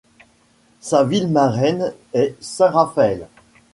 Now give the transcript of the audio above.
Sa ville marraine est Saint-Raphaël.